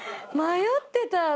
迷ってた！